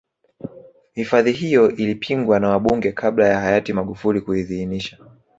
hifadhi hiyo ilipingwa na wabunge kabla ya hayati magufuli kuiidhinisha